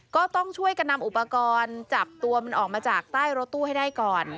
ก็ต้องช่วยกันนำอุปกรณ์จับตัวมันออกมาจากใต้รถตู้ให้ได้ก่อน